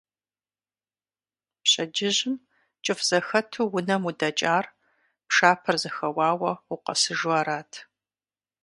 Пщэдджыжьым, кӀыфӀ зэхэту унэм удэкӀар, пшапэр зэхэуауэ укъэсыжу арат.